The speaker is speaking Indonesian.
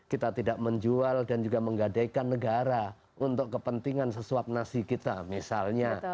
kita tidak menjual dan juga menggadaikan negara untuk kepentingan sesuap nasi kita misalnya